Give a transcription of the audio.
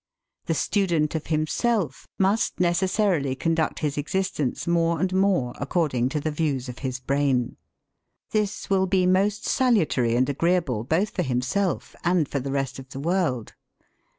The student of himself must necessarily conduct his existence more and more according to the views of his brain. This will be most salutary and agreeable both for himself and for the rest of the world.